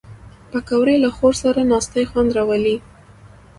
پکورې له خور سره ناستې خوند راولي